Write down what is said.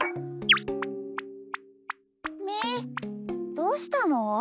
どうしたの？